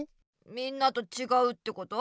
みんなとちがうってこと？